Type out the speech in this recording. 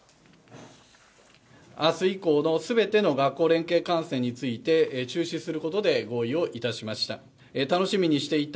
あす以降のすべての学校連携観戦について、中止することで合意をいたしました。